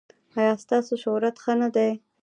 ایا ستاسو شهرت ښه نه دی؟